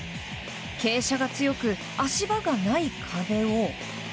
傾斜が強く、足場がない壁を。